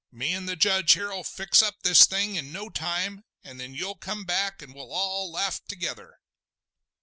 Me and the Judge here'll fix up this thing in no time, an' then you'll come back, an' we'll all laugh together!"